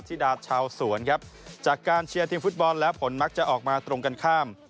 ธิดาชาวสวนครับจากการเชียร์ทีมฟุตบอลแล้วผลมักจะออกมาตรงกันข้าม